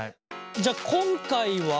じゃあ今回は？